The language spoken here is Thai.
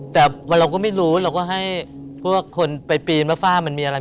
แต่เราก็ไม่รู้เราก็ให้พวกคนไปปีนว่าฝ้ามันมีอะไร